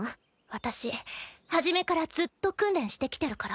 私初めからずっと訓練してきてるから。